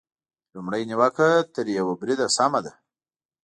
نوموړې نیوکه تر یوه بریده سمه ده.